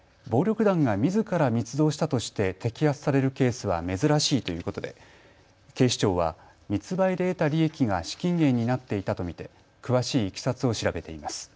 暴力団がみずから密造したとして摘発されるケースは珍しいということで警視庁は密売で得た利益が資金源になっていたと見て詳しいいきさつを調べています。